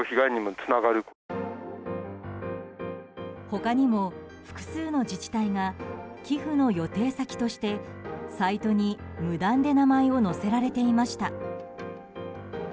他にも複数の自治体が寄付の予定先としてサイトに無断で名前を載せられていました。